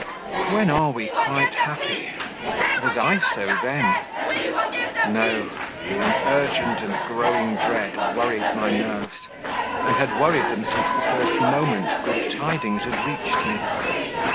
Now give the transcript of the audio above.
When are we quite happy? Was I so then? No; an urgent and growing dread worried my nerves, and had worried them since the first moment good tidings had reached me.